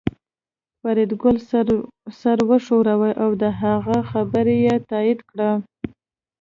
فریدګل سر وښوراوه او د هغه خبره یې تایید کړه